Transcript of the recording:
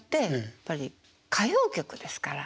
やっぱり歌謡曲ですから。